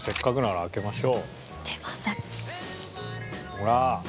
ほら！